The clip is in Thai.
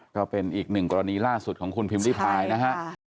ก็เป็นอีกหนึ่งกรณีล่าสุดของคุณพิมพิพายนะฮะ